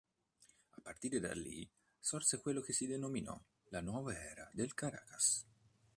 A partire da lì, sorse quello che si denominò la "Nuova Era" del Caracas.